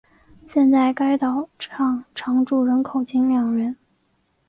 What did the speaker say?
现在该岛上常住人口仅两人。